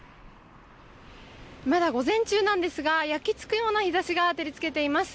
まだ午前中なんですが焼けつくような日差しが照り付けています。